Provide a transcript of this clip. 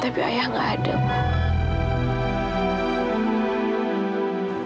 tapi ayah nggak ada bu